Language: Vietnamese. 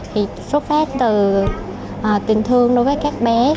thì xuất phát từ tình thương đối với các bé